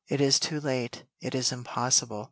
it is too late it is impossible."